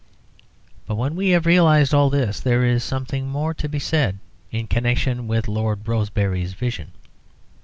But when we have realised all this there is something more to be said in connection with Lord Rosebery's vision.